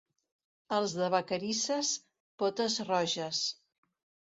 Els de Vacarisses, potes-roges.